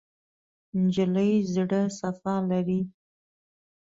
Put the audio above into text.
نجلۍ زړه صفا لري.